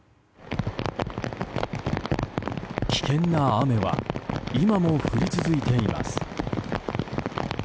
危険な雨は今も降り続いています。